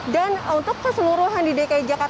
dan untuk keseluruhan di dki jakarta